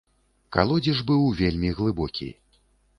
Калодзеж быў вельмі глыбокі.